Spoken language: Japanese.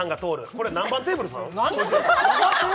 これ何番テーブルさん？